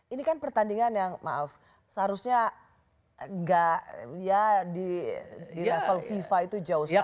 ini kan pertandingan yang maaf seharusnya nggak ya di level fifa itu jauh sekali